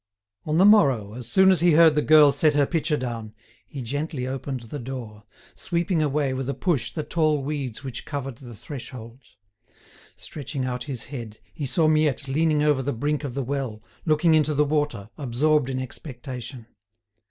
On the morrow, as soon as he heard the girl set her pitcher down, he gently opened the door, sweeping away with a push the tall weeds which covered the threshold. Stretching out his head, he saw Miette leaning over the brink of the well, looking into the water, absorbed in expectation.